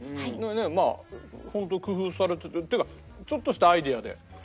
ねえまあホント工夫されて。というかちょっとしたアイデアで。